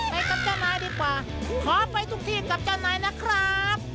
ไปกับเจ้านายดีกว่าขอไปทุกที่กับเจ้านายนะครับ